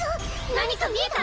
何か見えた！？